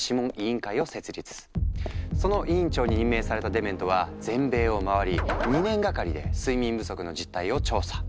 その委員長に任命されたデメントは全米を回り２年がかりで睡眠不足の実態を調査。